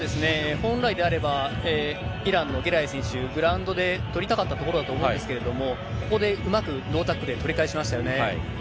本来であれば、イランのゲラエイ選手、グラウンドで取りたかったところだと思うんですけれども、ここでうまくロータックルで取り返しましたよね。